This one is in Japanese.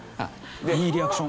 いいリアクション。